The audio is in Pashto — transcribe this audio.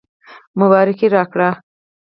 مبارکي راکړه.